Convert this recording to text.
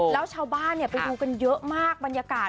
แล้วชาวบ้านไปดูกันเยอะมากบรรยากาศ